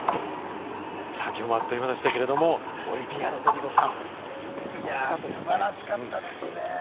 きょうもあっという間でしたけれども、オリヴィア・ロドリゴさん、素晴らしかったですね。